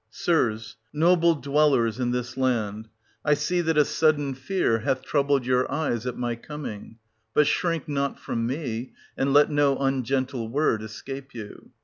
Sirs, noble dwellers in this land, I see that a sudden fear hath troubled your eyes at my coming ; but 730 shrink not from me, and let no ungentle word escape you.